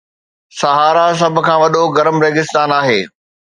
صحارا سڀ کان وڏو گرم ريگستان آهي